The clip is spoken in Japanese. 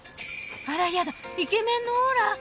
あらやだイケメンのオーラ！